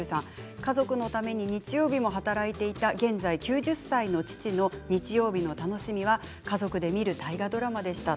家族のために日曜日も働いていた現在９０歳の父の日曜日の楽しみは家族で見る大河ドラマでした。